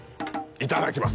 いただきます！